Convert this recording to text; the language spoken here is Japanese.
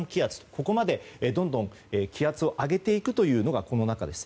ここまでどんどん気圧を上げていくというのがこの中です。